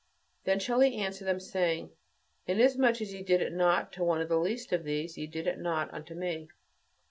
Then shall he answer them, saying, "Inasmuch as ye did it not to one of the least of these, ye did it not to me."